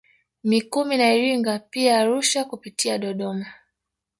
Mikumi na Iringa pia Arusha kupitia Dodoma